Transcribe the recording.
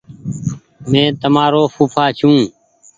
مينٚ تمآرو ڦوڦآ ڇوٚنٚ